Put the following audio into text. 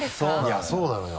いやそうなのよ。